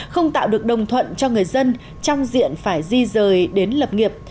không tạo được đồng thuận cho người dân trong diện phải di rời đến lập nghiệp